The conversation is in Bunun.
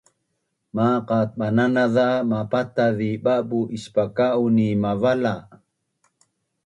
Maqat bananaz za mapataz zi ba’bu’ ispangka’un ni mavala